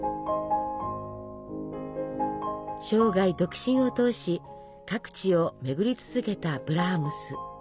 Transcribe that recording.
生涯独身を通し各地を巡り続けたブラームス。